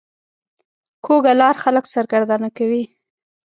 کوږه لار خلک سرګردانه کوي